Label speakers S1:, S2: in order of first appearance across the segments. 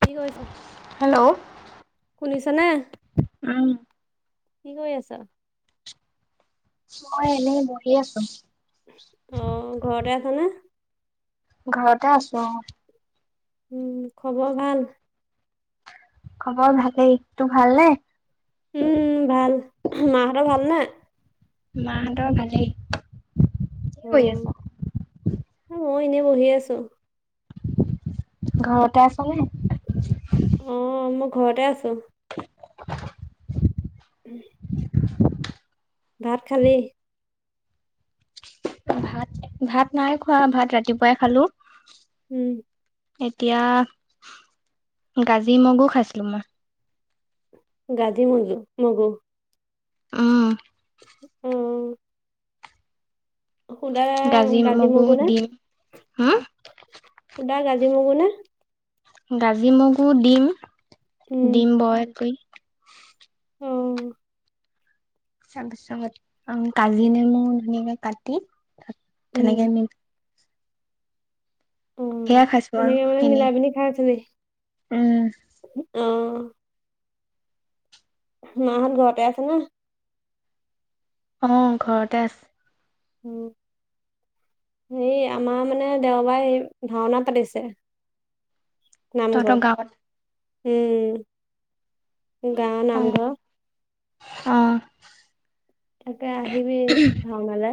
S1: কি কৰিছ
S2: হেল্ল'।
S1: শুনিছ নে
S2: উম।
S1: কি কৰি আছ
S2: মই এনেই বহি আছো।
S1: অঁ ঘৰতে আছা নে?
S2: ঘৰতে আছো অঁ।
S1: উম খবৰ ভাল?
S2: খবৰ ভালেই। তোৰ ভাল নে?
S1: উম উম ভাল। মাঁহতৰ ভাল নে?
S2: মাহঁতৰ ভালেই। কি কৰি আছ?
S1: মইয়ো এনেই বহি আছো।
S2: ঘৰতে আছা নে?
S1: অঁ মই ঘৰতে আছো।
S2: [inaudible]
S1: উম। ভাত খালি?
S2: ভাত, ভাত নাই খোৱা, ভাত ৰাতিপুৱাই খালো।
S1: উম।
S2: এতিয়া গাজি মগু খাইছিলো মই।
S1: গাজি মগু। [unintelligible]
S2: উম
S1: উম।
S2: গাজি মগু দীম। হু?
S1: শুদা গাজি মগু নে? [unintelligible]
S2: গাজি মগু দীম, দীম বইল কৰি।
S1: উম।
S2: তাৰপিছত কাজি নেমু ধুনিয়াকে কাটি। [unintelligible]
S1: উম,
S2: তেনেকে মিলাই।
S1: অঁ।
S2: খাইছো আৰু
S1: তেনেকে মানে
S2: এনেই,
S1: মিলাই পিনি খাইছিলি।
S2: উম,
S1: [unintelligible] মাহঁত ঘৰতে আছে নে?
S2: অঁ ঘৰতে আছে।
S1: উম। হেৰি আমাৰ মানে দেওবাৰে ভাওনা পাতিছে। [unintelligible]
S2: তহঁতৰ
S1: নামঘৰত।
S2: গাঁৱত
S1: উম। গাওঁ নামঘৰত। [unintelligible]
S2: অঁহ।
S1: তাকে আহিবি ভাওনালে।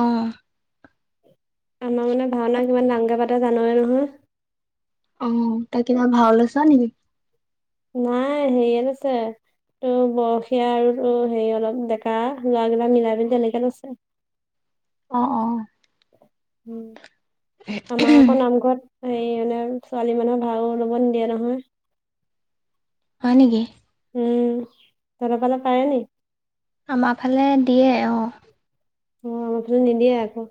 S2: অঁহ।
S1: আমাৰ মানে ভাওনা কিমান ডাঙৰ কে পাটে জানই নহয়। [unintelligible]
S2: অঁ তাকে তই ভা লৈছ নেকি? [unintelligible]
S1: নাই হেৰিয়ে লৈছে, তোৰ বয়সীয়া আৰু হেৰি অলপ ডেকা ল'ৰাগিটাই মিলাই মেলি তেনেকৈ লৈছে। [inaudible]
S2: অঁ অঁ।
S1: আমাৰ আকৌ নামঘৰত হাৰি মানে ছোৱালী মানুহক ভাও ল'ব নিদিয়ে নহয়। [unintelligible]
S2: হয় নেকি?
S1: উঁম তহতৰফালে পাৰে নি?
S2: আমাৰ ফালে দিয়ে অঁ।
S1: অঁ আমাৰ ফালে নিদিয়ে আকৌ।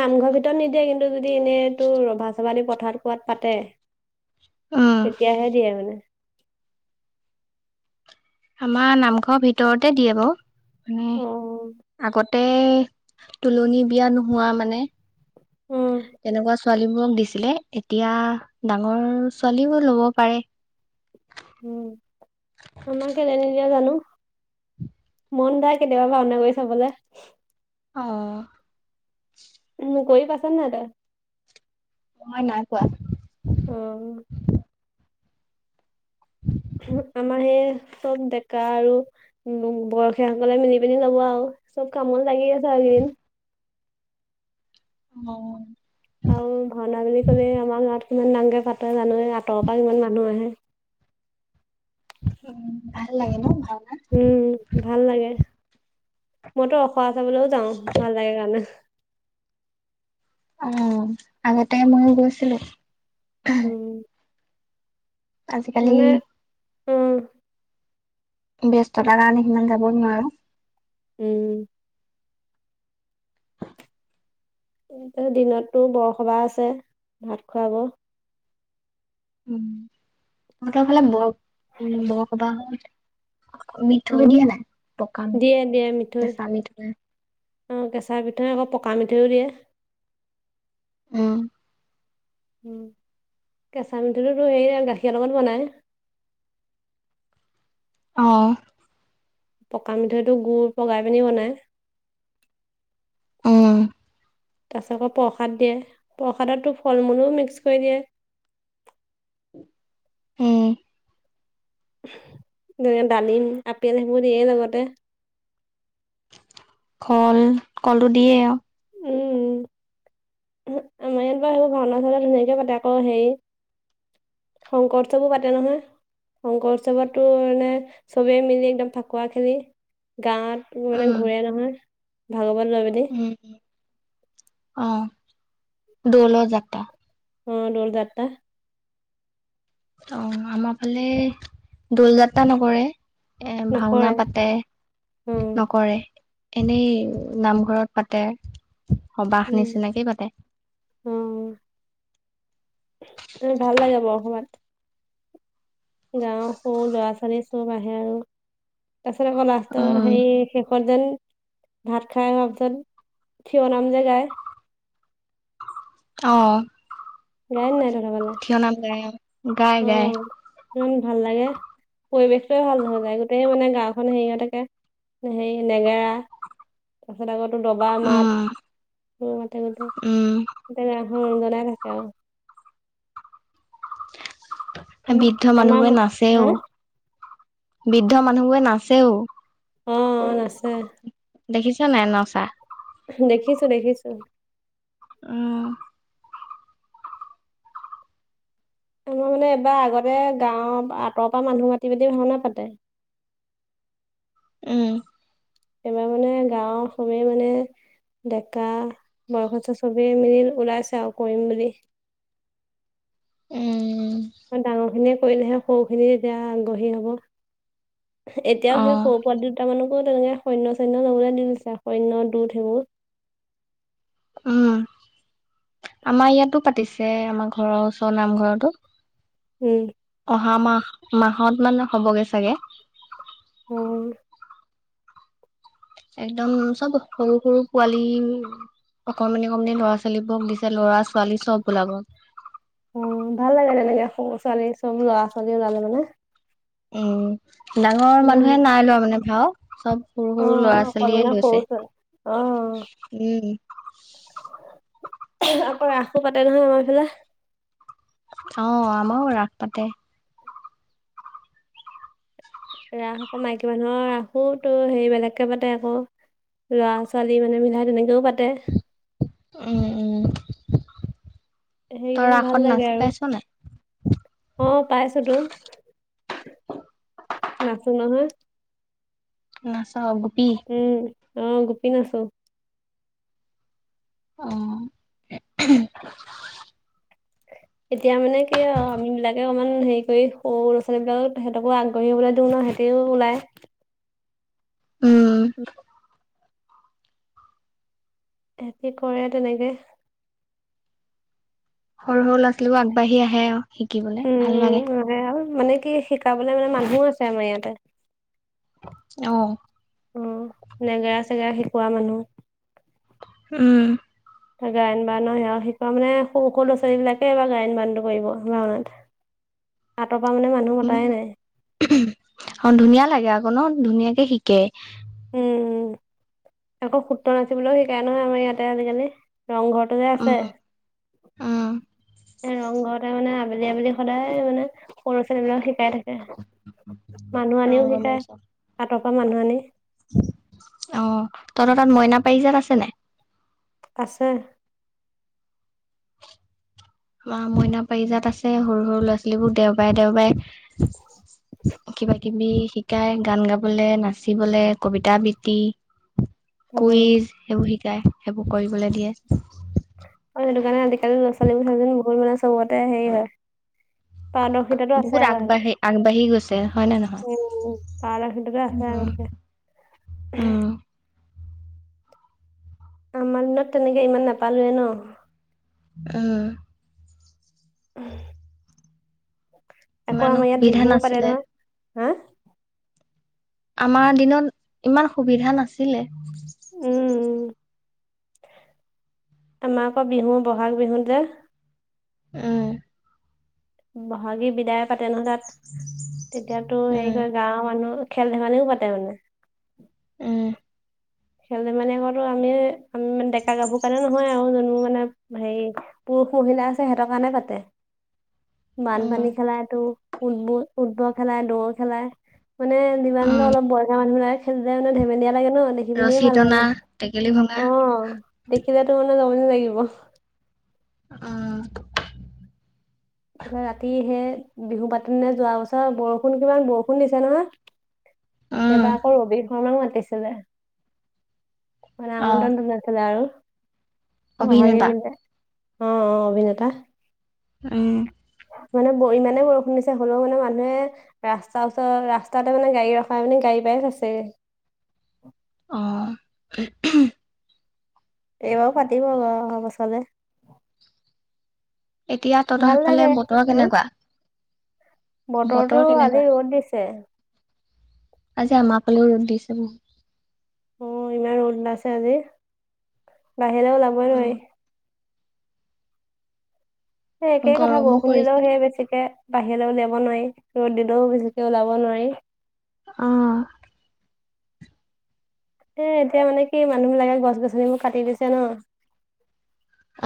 S1: নামঘৰ ভিতৰত নিদিয়ে, কিন্তু যদি এনেই তোৰ ৰভা চভা দি পথাৰত কোৱাত পাতে [unintelligible]
S2: উম
S1: তেতিয়াহে দিয়ে মানে।
S2: আমাৰ নামঘৰৰ ভিতৰতে দিয়ে বাৰু, মানে
S1: অ
S2: আগত [unintelligible] তে তুলনি বিয়া নোহোৱা মানে,
S1: অ
S2: তেনেকুৱা ছোৱালীবোৰক দিছিলে এতিয়া ডাঙৰ ছোৱালীবোৰো লব পাৰে। [unintelligible]
S1: উম আমাক কেলে নিদিয়ে জানো? মন যায় কেতিয়াবা ভাওঁনা কৰি চাবলে। [unintelligible]
S2: আঁহ।
S1: উম কৰি পাইছ নাই তই? [unintelligible]
S2: মই নাইপোৱা।
S1: অ আমাৰ সেই চব ডেকা আৰু বয়সীয়াসকলে মিলি পিনি লব আৰু। চব কামত লাগি আছে আও এইকেইদিন।
S2: অঁ।
S1: আৰু ভাওঁনা বুলি কলে আমাৰ গাঁৱত কিমান ডাঙৰকে [unintelligible] পাতে জানৈ আও আঁতৰৰ পৰা ইমান মানুহ আহে। [unintelligible]
S2: উম ভাল লাগে ন ভাল [unintelligible]
S1: উম ভাল লাগে, মইতো খোৱা চাবলৈও যাওঁ ভাল লাগে কাৰণে। [unintelligible]
S2: অ আগতে মই গৈছিলোঁ।
S1: উম।
S2: আজিকালি
S1: মানে উম।
S2: ব্যস্ততাৰ কাৰণে সিমান যাব নোৱাৰো।
S1: উম। এ দিনতটো বৰসভা আছে, ভাত খোৱাব।
S2: উম, তহঁতৰ ফালে বৰ বৰসভাহত যে মিঠৈ দিয়ে নাই পকা
S1: দিয়ে দিয়ে
S2: মিঠৈ,
S1: মিঠৈ
S2: কেঁচা মিঠৈ?
S1: অ কেঁচা মিঠৈ আকৌ পকা মিঠৈও দিয়ে।
S2: উম।
S1: কেঁচা মিঠৈটো সেই গাখীৰৰ লগত বনাই। [inaudible]
S2: অহঁ।
S1: পকা মিঠৈটো গুৰ পগাই পিনি বনাই।
S2: অঁহ
S1: তাৰপিছত আকৌ প্ৰসাদ দিয়ে প্ৰসাদতো ফল মূলো মিক্স কৰি দিয়ে,
S2: উম।
S1: যেনে ডালিম, আপেল সেইবোৰ দিয়ে লগতে।
S2: কল কলটো দিয়ে আৰু।
S1: উম। আমাৰ ইয়াত বা সেইবোৰ ভাওঁনা চাওঁনা ধুনীয়াকে পাতে আকৌ হেৰি শংকৰ উৎসৱো পাতে নহয়। শংকৰ উৎসৱতো এনে চবেই মিলি একদম ফাকুৱা খেলি গাঁৱত মানে
S2: উম
S1: ঘূৰে নহয় ভাগৱত লৈ পিনি
S2: উম অঁহ দৌল' যাত্ৰা
S1: অ দৌল যাত্ৰা।
S2: অ আমাৰ ফালে দৌল যাত্ৰা নকৰে, এ ভাওঁনা
S1: নকৰে
S2: পাতে।
S1: অ
S2: নকৰে, এনেই নামঘৰত পাতে। সভাহ
S1: উম
S2: নিচিনাকেই পাতে।
S1: উম ভাল লাগে বৰসভাহত। গাওঁ সৰু ল'ৰা ছোৱালী চব আহে আৰু, তাৰ পিছত আকৌ লাষ্টৰ
S2: উম
S1: সেই শেষত যেন ভাত খাই হোৱা পাছত যে থিয় নাম যে গায়।
S2: অহঁ।
S1: গাই নাই তহতৰ
S2: কিয় নাম গায় গাই গাই
S1: ইমান ভাল লাগে। পৰিৱেশটোৱে ভাল নহয় যায় গোটেই মানে গাওখন হেৰিহঁতাকে হেৰি নেগেৰা তাৰপিছত আকৌ দবা মাত
S2: উম
S1: মোৰ মাথা
S2: উম
S1: বিষয় যে অ জনাই থাকে অ
S2: বৃদ্ধ
S1: আমাৰ
S2: মানুহবোৰে
S1: মা- হা
S2: নাচেও বৃদ্ধ মানুহ বোৰে নাচেও
S1: অ অ নাচে
S2: দেখিছ নাই নাই নচা
S1: দেখিছো দেখিছো।
S2: উম
S1: আমাৰ মানে এইবাৰ আগতে গাঁৱৰ আঁতৰৰ পৰা মানুহ মাতি মেল ভাওনা পাতে। [inaudible]
S2: উম
S1: এইবাৰ মানে গাঁও চবে মানে ডেকা বয়সস্থ চবিয় মিলি ওলাইছে আৰু কৰিম বুলি। [inaudible]
S2: উম
S1: ডাঙৰ খিনিয়ে কৰিলেহে সৰুখিনি তেতিয়া আগ্ৰহী হব। এতিয়াও
S2: অ
S1: সেই সৰু পোৱলী দুটামানো অ তেনেকে সৈন্য় সৈন্য ললৈ দি দিছে সৈন্য দুধ সেইবোৰ [inaudible]
S2: উম আমাৰ ইয়াতো পাতিছে আমাৰ ঘৰৰ ওচৰ নামঘৰতো।
S1: উম।
S2: অহা মাহ মাহত মান হ'বগে চাগে।
S1: অ
S2: একদম চব সৰু সৰু পোৱালি। অকণমান অকমানে ল'ৰা ছোৱালীবোৰ দিছে ল'ৰা ছোৱালী চব ওলাব।
S1: অ ভাল লাগে তেনেকে সৰু ছোৱালী চব ল'ৰা ছোৱালী ওলালে মানে।
S2: উম ডাঙৰ
S1: উম
S2: মানুহে নাই লোৱা মানে ভাও চব সৰু
S1: অ
S2: সৰু ল'ৰা
S1: অকল
S2: ছোৱালীয়ে
S1: মানে সৰু ছোৱালী অ
S2: লৈছে। উম
S1: তাৰপৰা ৰাখো পাতে নহয় আমাৰ ফালে
S2: অ আমাও ৰাস পাতে।
S1: ৰাস আকৌ মাইকী মানুহৰ ৰাসো তো হেৰিবিলাককে পাতে আকৌ লৰা ছোৱালী মানে মিলাই তেনেকেও পাতে
S2: উম উম তই
S1: সেইকদিন ভাল
S2: ৰাসত
S1: লাগে
S2: নাচি
S1: আৰু
S2: পাইছ নাই
S1: অ পাইছো তো নাচো নহয়
S2: নাচা হব
S1: উম অ গোপীন আছে।
S2: অ
S1: এতিয়া মানে কি আৰু আম বিলাকে অকমান হেৰি কৰি সৰু ল'ৰা ছোৱালী বিলাকক তেহেতকো আগ্ৰহী ওলাই দিও ন সেতিও ওলাই।
S2: উম
S1: সেতি কৰে তেনেকে
S2: সৰু সৰু ল'ৰা ছোৱালীবো আগবাঢ়ি আহে আৰু শিকিবলৈ
S1: উম
S2: ভাল
S1: উম
S2: লাগে
S1: আহে আৰু মানে কি শিকাবলে মানে মানুহো আছে আমাৰ ইয়াতে।
S2: আহ
S1: অ নেগেৰা শিকোৱা মানুহ।
S2: উম
S1: গায়ন বানৰ স শিকোৱা মানে সৰু সৰু ল'ৰা ছোৱালী বিলাকে এবাৰ গায়ন বানটো কৰিব ভাওনাত। আ
S2: উ অ ধুনীয়া লাগে আকৌ ন ধুনীয়াকে শিকে
S1: উম আকৌ সূত্ৰ নাচি বলেও সিকাই নহয় আমাৰ ইয়াতে আজিকালি। ৰংঘৰটো যে আছে।
S2: উম, উম,
S1: ৰং ঘৰতে মানে আবেলি আবেলি সদায় মানে সৰুৰা ছোৱালী বিলাক শিকাই থাকে। মানুহ আনিও
S2: ৰংগ
S1: শিকাই
S2: মঞ্চ
S1: হাতৰ পৰা মানুহ আনি
S2: অ তহত তাত মইনা পাৰিজাত আছেনাই?
S1: আছে। [inaudible]
S2: আমাৰ মইনা পাৰিজাত আছে সৰু সৰু ল'ৰা ছোৱালীবোৰ দেওবাৰে দেওবাৰে কিবা কিবি শিকাই গান গাবলে, নাচিবলে, কবিতা বৃত্তি
S1: অ
S2: কুইজ সেইবোৰ শিকায় সেইবোৰ কৰিবলৈ দিয়ে।
S1: অ সেইটো কাৰণে আজিকালি লৰা ছোৱালীবোৰ থাক বহুত মানে চবতে হেৰি হয় পাৰদৰ্শিতা আছে
S2: বহুত
S1: আৰু
S2: আগবাঢ়ি আগবাঢ়ি গৈছে হয় নে নহয়?
S1: সিহঁতৰ। উম পাৰদৰ্শিতাটো
S2: উম,
S1: আছে। উম
S2: উম,
S1: আমাৰ দিনত তেনেকে ইমান নাপালোয়ে ন?
S2: আহ।
S1: আহ। আকৌ
S2: ইমান
S1: আমাৰ ইয়াত
S2: অসুবিধা
S1: বিহুও পাতে
S2: নাছিলে।
S1: নহয়। হা
S2: আমাৰ দিনত ইমান সুবিধা নাছিলে।
S1: উম। আমাৰ আকৌ বিহু বহাগ বিহুত যে
S2: উম।
S1: বহাগী বিদায় পাতে ন তাত, তেতিয়াতো হেৰি
S2: উম
S1: কৰে গাঁওৰ মানুহ খেল ধেমালিও পাতে মানে।
S2: উম।
S1: খেল ধেমালিকতো আমি, আমি ডেকা গাভৰো কাৰণে নহয় আৰু যোনটো মানে হেৰি পো ৰুষ মহিলা আছে সিহতৰ কাৰণে পাতে।
S2: উম
S1: বানপানী খেলাইতো ফুটব ফুটবল খেলাই, দৌৰ খেলাই মানে যিমান
S2: উম
S1: অলপ বয়সীয়া মানুহবিলাকে খেলিলে মানে ধেমেলীয়া লাগে ন এনে শুনিয়ে
S2: ৰছী
S1: ভাল
S2: টনা
S1: লাগে।
S2: টেকেলি ভঙা
S1: অ দেখিলো মানে যমনি লাগিব।
S2: উম।
S1: ৰাতি সে বিহু পাতি ননে যোৱা বছৰ বৰষুণ কিমান বৰষুণ দিছে নহয়।
S2: উম
S1: সেইবাৰ আকৌ ৰবি শৰ্মাক মাতিছিলে। মানে
S2: অ
S1: আমন্ত্ৰণটো জনাইছিলে আৰু বহাগী
S2: অভিনেতা
S1: পিন্ধে। অ অ অভিনেতা।
S2: উম।
S1: মানে ব ইমানে বৰষুণ দিছে হলেও মানে মানুহে ৰাস্তাৰ ওচৰত ৰাস্তাতে মানে গাড়ী ৰখাই মানি গাড়ী বেছ আছে।
S2: অ।
S1: এইবাৰ পাতিব বাৰু অহা বছৰলে।
S2: এতিয়া তহঁতৰ
S1: ভাল
S2: সেইফালে
S1: লাগে
S2: বতৰ
S1: উম
S2: কেনেকুৱা? বতৰ
S1: বতৰটো
S2: কেনেকুৱা
S1: আজি ৰ'দ দিছে।
S2: আজি আমাৰ ফালেও ৰ'দ দিছে বহুত।
S1: অ ইমান ৰ'দ ওলাইছে আজি, বাহিৰলৈ ওলাবই নোৱাৰি। সেই
S2: উম
S1: একেই কথা
S2: গৰমো
S1: বৰুষুণ দিলেও
S2: পৰিছে
S1: সে বেছিকে বাহিৰলৈ উলিয়াব নোৱাৰি, ৰদ দিলেও বেছিকে ওলাব নোৱাৰি।
S2: আহ।
S1: এ এতিয়া মানে কি মানুহবিলাকে গছ গছনিবোৰ কাটি দিছে ন।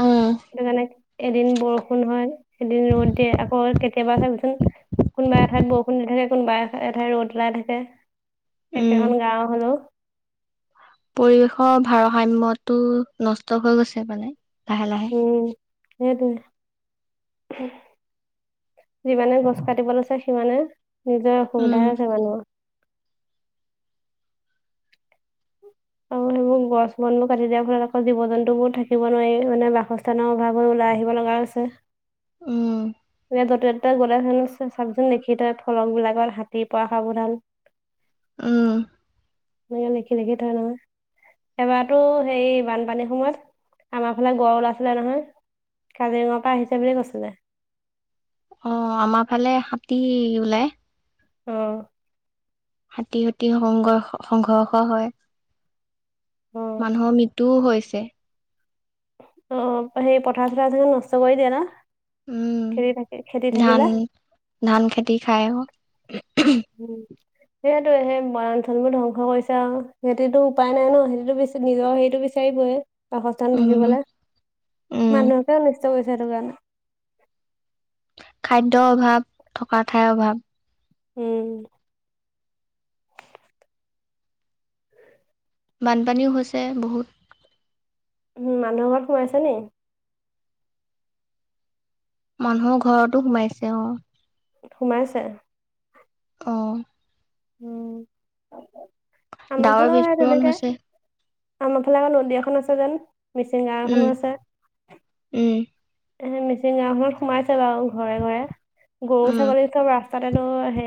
S2: উম
S1: সেইটো কাৰণে এদিন বৰষুণ হয়, এদিন ৰ'দ দিয়ে আকৌ কেতিয়াবা চাবচোন কোনোবা এঠাইত বৰষুণ দি থাকে, কোনোবা এঠাইত ৰ'দ ওলাই থাকে।
S2: উম
S1: একেখন গাৱৰ হলও।
S2: পৰিৱেশৰ ভাৰসাম্যটো নষ্ট হৈ গৈছে মানে লাহে লাহে।
S1: উম সেইটোৱে যিমানে গছ কাটিব লৈছে সিমানে নিজৰ
S2: উম
S1: অসুবিধা আছে মানুহৰ। অ। এইবোৰ গছ - বনবোৰ কাটি দিয়াৰ ফলত আকৌ জীৱ -জন্তুবোৰ থাকিব নোৱাৰি মানে বাসস্থানৰ অভাৱে ওলাই আহিব লগা হৈছে।
S2: উম।
S1: এ যতে ততে গলে চাকচোন দেখি থয় ফলক বিলাকৰ হাতী পৰা সাৱধান [inaudible]
S2: উম।
S1: ন লেখি দেখি থয় নহয়। এবাৰাতো সেই বানপানীৰ সময়ত, আমাৰ ফালে গড় ওলাইছিলে নহয়। কাজিৰঙাৰ পৰা আহিছে বুলি কৈছিলে।
S2: অ আমাৰ ফালে হাতী ওলাই।
S1: আহ
S2: হাতী সতি সংঘৰ্ষ সংঘৰ্ষ হয়।
S1: অ
S2: অঁ
S1: অ
S2: মৃত্যু হৈছে
S1: অ সেই পথাৰ চথাৰবোৰ নষ্ট কৰি দিয়ে ন।
S2: উম
S1: খেতি থাকি খেতি
S2: ধান
S1: থাকিলে
S2: ধান খেতি খাই।
S1: উম সেইয়টো সেই বৰথন বোৰ ধ্বংস কৰিছে আৰু সিহতিটো উপায় নাই ন সিহঁতিটো বেছি নিজৰ সেইটো বিচাৰিবই বাসস্থান
S2: উম
S1: থাকিবলৈ
S2: উম
S1: মানুহকে অনিষ্ট কৰিছে সেইটো কাৰণে।
S2: খাদ্যৰ অভাৱ থকা ঠাইৰ অভাৱ।
S1: উম
S2: বানপানীও হৈছে বহুত
S1: উম মানুহৰ ঘৰত সোমাইছে ন
S2: মানুহৰ ঘৰতো সোমাইছে অ
S1: সোমাইছে
S2: আহ
S1: উম আমা
S2: ডাৱৰ
S1: ফালেও সেই
S2: বিস্ফোৰণ
S1: তেনেকে
S2: হৈছে
S1: আমাৰ ফালে আকৌ নদী এখন আছে যেন মিচিং গাঁও এখনো
S2: উম
S1: আছে।
S2: উম
S1: এ মিচিং গাওখনত সোমাইছে বাৰু ঘৰে ঘৰে গৰু
S2: উম
S1: ছাগলী সব ৰাস্তাতেটো হেৰি